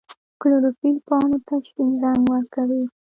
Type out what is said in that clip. کلوروفیل پاڼو ته شین رنګ ورکوي